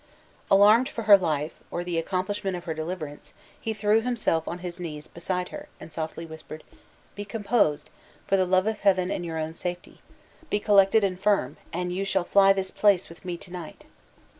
Alarmed for her life, or the accomplishment of her deliverance, he threw himself on his knees beside her, and softly whispered, "Be composed, for the love of Heaven and your own safety. Be collected and firm, and you shall fly this place with me to night."